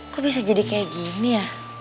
kok bisa jadi kayak gini ya